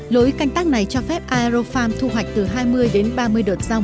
lối canh tác này cho phép aerofarm thu hoạch từ hai mươi đến ba mươi đợt rau một năm